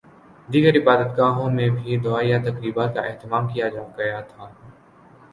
دیگر عبادت گاہوں میں بھی دعائیہ تقریبات کا اہتمام کیا گیا تھا